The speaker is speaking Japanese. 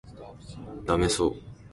ダメそう